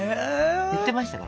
言ってましたから。